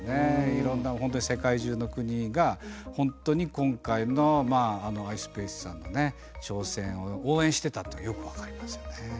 いろんな本当に世界中の国が本当に今回のｉｓｐａｃｅさんの挑戦を応援してたっていうのがよく分かりますよね。